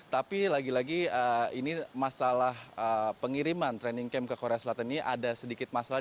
tapi lagi lagi ini masalah pengiriman training camp ke korea selatan ini ada sedikit masalah